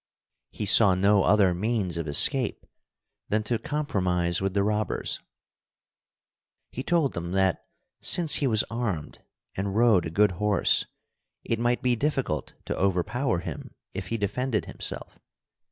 He saw no other means of escape than to compromise with the robbers. He told them that, since he was armed and rode a good horse, it might be difficult to overpower him if he defended himself.